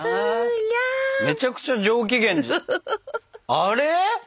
あれ！